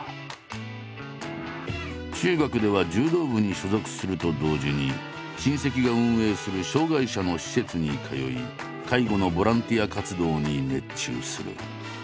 中学では柔道部に所属すると同時に親戚が運営する障害者の施設に通い介護のボランティア活動に熱中する。